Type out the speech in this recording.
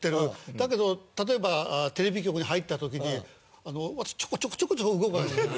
だけど例えばテレビ局に入った時に私ちょこちょこちょこちょこ動くわけですよ。